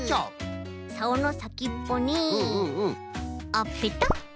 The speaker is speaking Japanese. さおのさきっぽにあっペタッ。